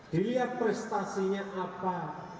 dilihat prestasinya apa